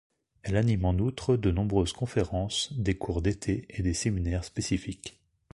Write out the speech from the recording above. Elle anime en outre de nombreuses conférences, des cours d'été et des séminaires spécifiques.